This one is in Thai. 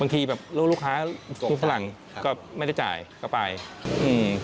ทีแบบลูกลูกค้าลูกฝรั่งก็ไม่ได้จ่ายก็ไปอืม